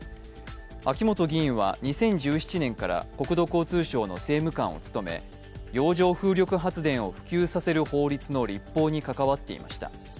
秋本議員は２０１７年から国土交通省の政務官を務め洋上風力発電を普及させる法律の立法に関わっていました。